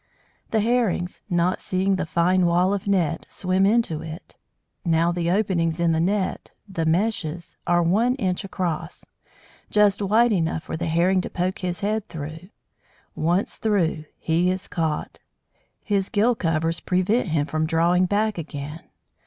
The Herrings, not seeing the fine wall of net, swim into it. Now the openings in the net the meshes are one inch across, just wide enough for the Herring to poke his head through. Once through, he is caught. His gill covers prevent him from drawing back again.